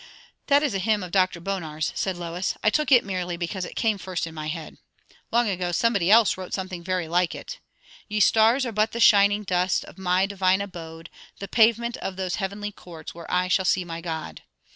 "That is a hymn of Dr. Bonar's," said Lois. "I took it merely because it came first into my head. Long ago somebody else wrote something very like it 'Ye stars are but the shining dust Of my divine abode; The pavement of those heavenly courts Where I shall see my God.